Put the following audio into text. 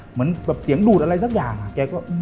เหมือนแบบเสียงดูดอะไรสักอย่างแกก็